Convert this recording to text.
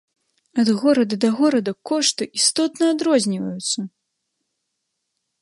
Ад горада да горада кошты істотна адрозніваюцца!